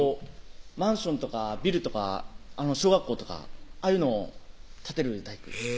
マンションとかビルとか小学校とかああいうのを建てる大工です